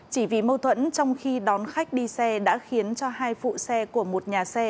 chỉ vì mâu thuẫn trong khi đón khách đi xe đã khiến cho hai phụ xe của một nhà xe